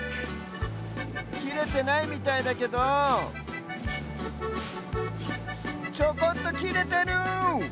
きれてないみたいだけどちょこっときれてる！